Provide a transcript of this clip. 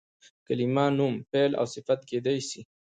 کلیمه نوم، فعل او صفت کېدای سي.